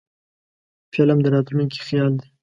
فلم د راتلونکي خیال دی